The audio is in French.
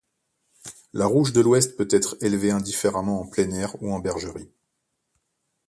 La rouge de l'ouest peut être élevée indifféremment en plein air ou en bergerie.